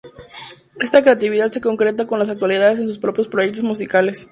Esta creatividad se concreta en la actualidad en sus propios proyectos musicales.